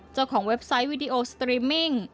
เจ้าของเว็บไซต์วิดีโอสตรีมมิ้ง